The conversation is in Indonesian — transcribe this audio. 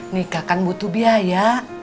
nikah kan butuh biaya